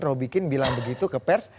robikin bilang begitu ke pers